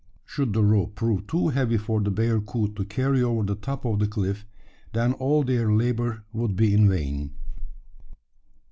Should the rope prove too heavy for the bearcoot to carry over the top of the cliff, then all their labour would be in vain.